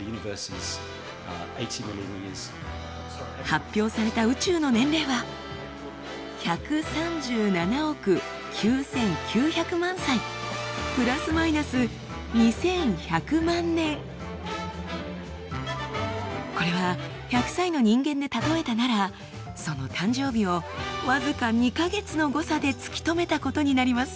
発表された宇宙の年齢はこれは１００歳の人間で例えたならその誕生日を僅か２か月の誤差で突き止めたことになります。